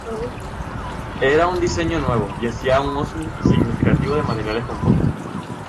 Era un diseño nuevo y hacía un uso significativo de materiales compuestos.